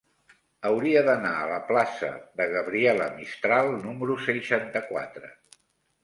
Hauria d'anar a la plaça de Gabriela Mistral número seixanta-quatre.